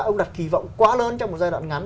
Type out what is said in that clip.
ông đặt kỳ vọng quá lớn trong một giai đoạn ngắn